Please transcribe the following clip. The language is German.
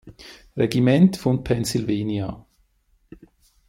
Regiment von Pennsylvania.